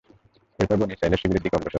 এরপর বনী ইসরাঈলের শিবিরের দিকে অগ্রসর হল।